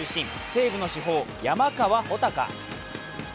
西武の主砲・山川穂高。